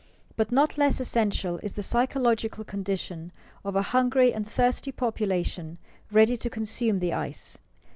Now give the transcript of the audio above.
But not less essential is the psychological condition of a hungry and thirsty population ready to consume the ice.